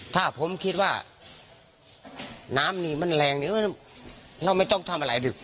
ถ้าผมคิดว่าน้ำนี่มันแรงเนี่ยเราไม่ต้องทำอะไรดิบ